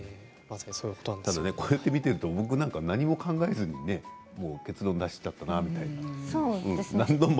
ただね、こうやって見ていると僕なんか何も考えずに結論を出しちゃったなみたいな。